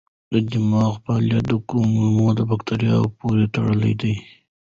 د دماغ فعالیت د کولمو بکتریاوو پورې تړلی دی.